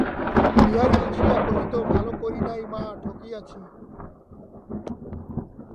বিহারী হাসিয়া কহিত, ভালো করি নাই মা, ঠকিয়াছি।